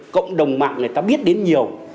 cộng đồng mạng người ta biết đến nhiều